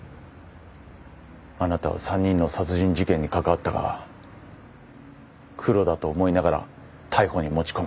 あなたは３人の殺人事件にかかわったがクロだと思いながら逮捕に持ち込めなかった。